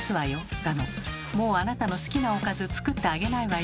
だの「もうあなたの好きなおかず作ってあげないわよ」